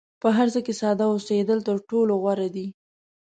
په هر څه کې ساده اوسېدل تر ټولو غوره دي.